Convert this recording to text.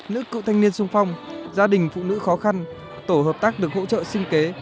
nữ cựu thanh niên sung phong gia đình phụ nữ khó khăn tổ hợp tác được hỗ trợ sinh kế